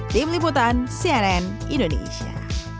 di meliputan cnn indonesia